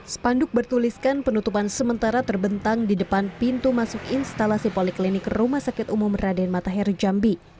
spanduk bertuliskan penutupan sementara terbentang di depan pintu masuk instalasi poliklinik rumah sakit umum raden matahir jambi